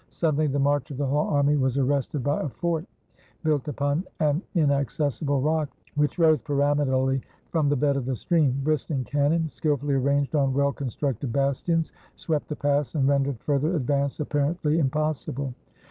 Suddenly the march of the whole army was arrested by a fort, built upon an inaccessible rock, which rose pyramidally from the bed of the stream. Bristling cannon, skillfully arranged on well constructed bastions, swept the pass, and rendered further advance apparently impossible.